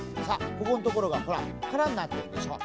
ここのところがほらからになってるでしょ？ね。